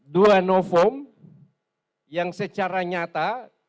dua novum yang secara nyata